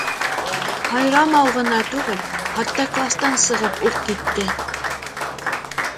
Һайрамау ғына түгел, хатта кластан сығып уҡ китте.